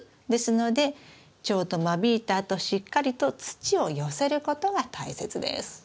ですのでちょうど間引いたあとしっかりと土を寄せることが大切です。